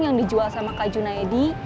yang dijual sama kak junaidi